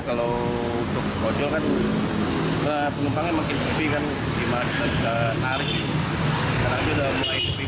kalau untuk bojol kan penumpangnya makin sepi kan di mana kita juga tarik